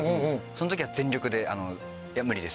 その時は全力で。